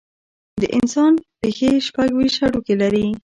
د انسان پښې شپږ ویشت هډوکي لري.